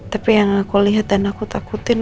tapi yang aku lihat dan aku takutin